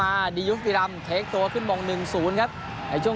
ดียูฟิรัมเทคตัวขึ้นมงหนึ่งศูนย์ครับในช่วง